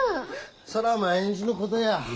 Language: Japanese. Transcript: そら毎日のことや。